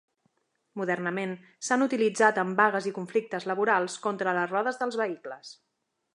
Modernament s'han utilitzat en vagues i conflictes laborals contra les rodes dels vehicles.